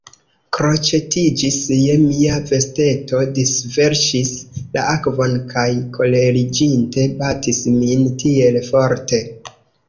Kroĉetiĝis je mia vesteto, disverŝis la akvon kaj koleriĝinte batis min tiel forte.